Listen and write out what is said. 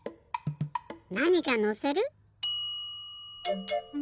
なにかのせる？